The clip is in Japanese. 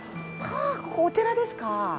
ここお寺ですか？